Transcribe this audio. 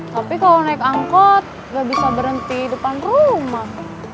tapi kalo naik angkot gak bisa berhenti depan rumah